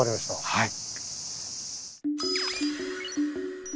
はい。